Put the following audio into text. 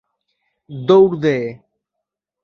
দৌড় দে!